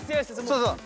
そうそう。